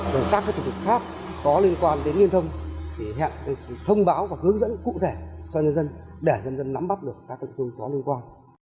còn các thủ tục khác có liên quan đến liên thông thì hẹn được thông báo và hướng dẫn cụ rẻ cho dân dân để dân dân nắm bắt được các hệ thống có liên quan